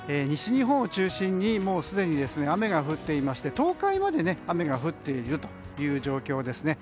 西日本を中心にもうすでに雨が降っていまして東海まで雨が降っている状況です。